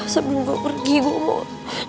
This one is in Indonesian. sebelum gue pergi gue mau